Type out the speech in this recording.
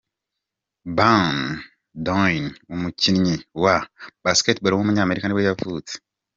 Bam Doyne, umukinnyi wa basketball w’umunyamerika nibwo yavutse.